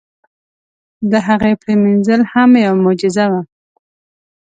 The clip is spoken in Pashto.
د هغې پرېمنځل هم یوه معجزه وه.